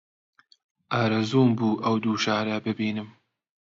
ئارەزووم بوو ئەو دوو شارە ببینم